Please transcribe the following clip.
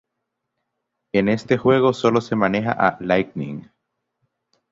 En este juego sólo se maneja a Lightning.